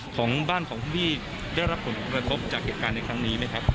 ของบ้านของพี่ได้รับผลกระทบจากเหตุการณ์ในครั้งนี้ไหมครับ